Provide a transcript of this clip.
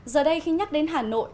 giờ đây khi nhắc đến hà nội